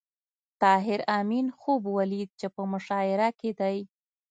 طاهر آمین خوب ولید چې په مشاعره کې دی